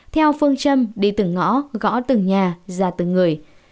theo phương châm đi từng ngõ gõ từng nhà ra từng người